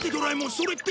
それって。